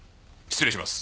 失礼します。